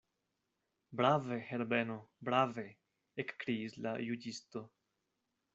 Brave, Herbeno, brave, ekkriis la juĝisto.